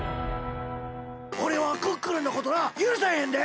おれはクックルンのことはゆるさへんで！